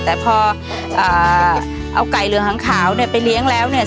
แต่พอเอาไก่เหลืองหางขาวเนี่ยไปเลี้ยงแล้วเนี่ย